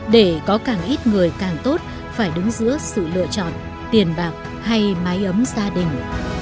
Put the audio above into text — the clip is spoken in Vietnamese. để có càng ít người càng tốt phải đứng giữa sự lựa chọn tiền bạc hay máy ấm gia đình